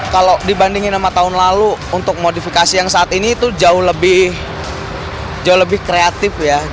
kalau dibandingin sama tahun lalu untuk modifikasi yang saat ini itu jauh lebih kreatif ya